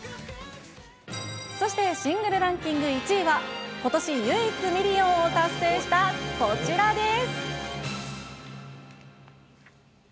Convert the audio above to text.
そしてシングルランキング１位は、ことし唯一ミリオンを達成したこちらです。